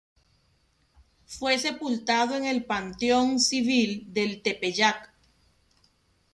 Fue sepultado en el panteón civil del Tepeyac.